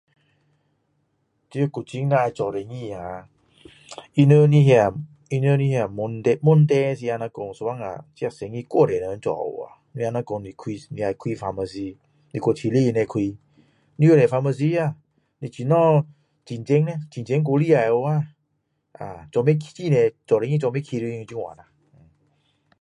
在古晋若要做生意啊他们的那他们的那问题问题自己是说有时候这生意太多人做了那若讲你要开 pharmacy 你去七里那边开多么多 pharmacy 啊你怎样竞争呢竞争过厉害啊啊做不起太多做生意做不起就是这样啦